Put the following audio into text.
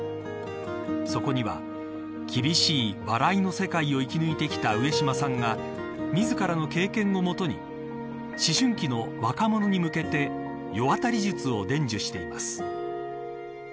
そこには、厳しいお笑いの世界を生き抜いてきた上島さんが自らの経験をもとに思春期の若者に向けて世渡り術を伝授しています。